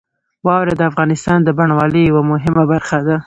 واوره د افغانستان د بڼوالۍ یوه مهمه برخه ده.